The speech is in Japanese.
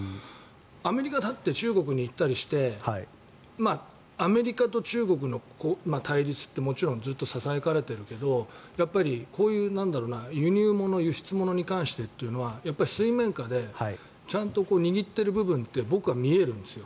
アメリカだって中国に行ったりしてアメリカと中国の対立ってもちろんずっとささやかれているけれどやっぱりこういう輸入物、輸出物に関しては水面下でちゃんと握っている部分って僕は見えるんですよ。